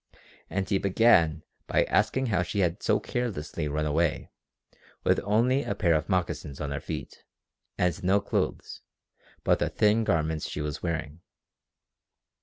And he began by asking how she had so carelessly run away with only a pair of moccasins on her feet and no clothes but the thin garments she was wearing.